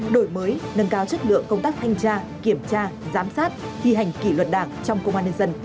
đổi mới nâng cao chất lượng công tác thanh tra kiểm tra giám sát thi hành kỷ luật đảng trong công an nhân dân